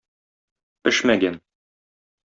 Пешмәгән.